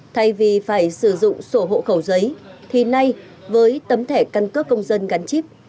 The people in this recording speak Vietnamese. thay vì phải sử dụng sổ hộ khẩu giấy thì nay với tấm thẻ căn cước công dân gắn chip